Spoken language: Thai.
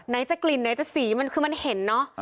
ไหนจะกลิ่นไหนจะสีมันคือมันเห็นเนอะ